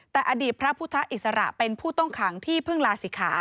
แต่อดีตพระพุทธอิสระเป็นผู้ต้องขังที่เพิ่งลาศิกขา